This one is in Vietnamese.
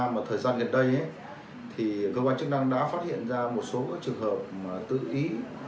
mà thời gian gần đây cơ quan chức năng đã phát hiện ra một số trường hợp tự ý